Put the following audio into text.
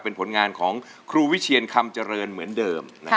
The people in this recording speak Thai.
เป็นผลงานของครูวิเชียนคำเจริญเหมือนเดิม